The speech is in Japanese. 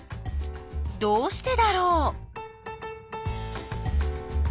どうしてだろう？